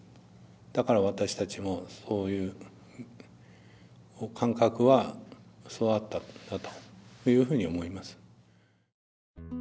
だから私たちもそういう感覚は育ったんだというふうに思います。